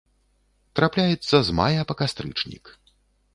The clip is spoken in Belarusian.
Трапляецца з мая па кастрычнік.